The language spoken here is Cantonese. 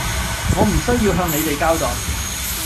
我唔需要向你哋交代